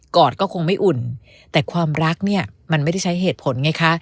อดก็คงไม่อุ่นแต่ความรักเนี่ยมันไม่ได้ใช้เหตุผลไงคะ